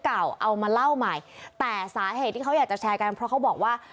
เอามาเล่าใหม่แต่เค้าอยากจะแชร์กันเพราะเค้าบอกว่า